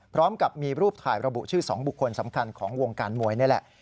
พร้อมกับมีรูปถ่ายระบุชื่อ๒บุคคลสำคัญของวงการมวยนี่แหละ